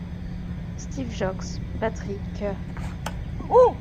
Steve Jocz - Batterie, chœurs.